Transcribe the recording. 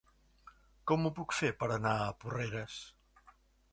Com ho puc fer per anar a Porreres?